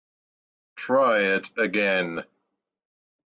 Try it again.